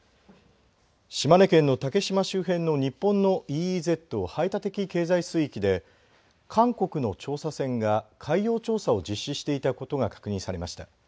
島根県の竹島周辺の日本のＥＥＺ＝排他的経済水域で韓国の調査船が海洋調査を実施していたことが確認されました。